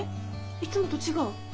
いつもと違う。